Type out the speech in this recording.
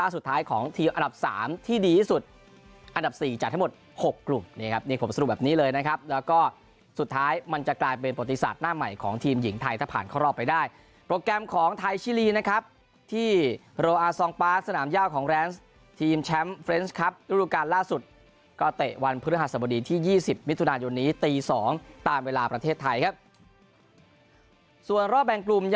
สรุปแบบนี้เลยนะครับแล้วก็สุดท้ายมันจะกลายเป็นปฏิสัตว์หน้าใหม่ของทีมหญิงไทยถ้าผ่านข้อรอบไปได้โปรแกรมของไทยชิลีนะครับที่โรอาซองป้าสนามยาวของแรนส์ทีมแชมป์เฟรนช์ครับฤดูการล่าสุดก็เตะวันพฤหัสบดีที่ยี่สิบมิตุนายนนี้ตีสองตามเวลาประเทศไทยครับส่วนรอบแบ่งกลุ่มยั